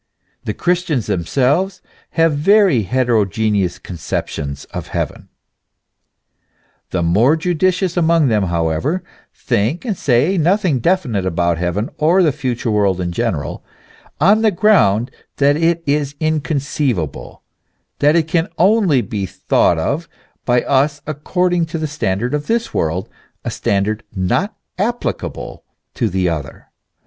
The Christians themselves have very heterogeneous conceptions of heaven.* The more judicious among them, however, think and say nothing definite about heaven or the future world in general, on the ground that it is inconceivable, that it can only be thought of by us according to the standard of this world, a standard not applicable to the other.